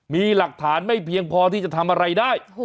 มีหลักฐานไม่เพียงพอที่จะทำอะไรได้